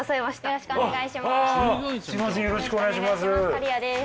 よろしくお願いします。